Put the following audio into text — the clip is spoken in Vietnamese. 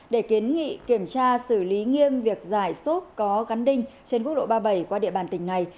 để kiến nghị kiểm tra xử lý nghiêm việc giải xốp có gắn đinh trên quốc lộ ba mươi bảy qua địa bàn tỉnh này